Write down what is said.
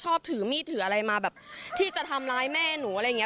ถือมีดถืออะไรมาแบบที่จะทำร้ายแม่หนูอะไรอย่างนี้